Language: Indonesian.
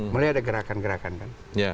mulai ada gerakan gerakan kan